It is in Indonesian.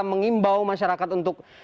mengimbau masyarakat untuk